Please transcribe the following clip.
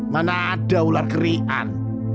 mana ada ular kerian